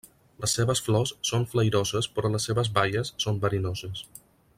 Les seves flors són flairoses però les seves baies són verinoses.